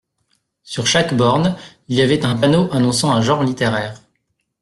Sur chaque borne, il y avait un panneau annonçant un genre littéraire.